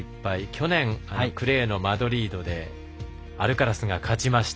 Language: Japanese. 去年クレーのマドリードでアルカラスが勝ちました。